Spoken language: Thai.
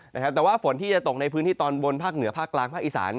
แต่ว่าฝนที่จะตกในพื้นที่ตอนบนภาคเหนือภาคกลางภาคอีสาน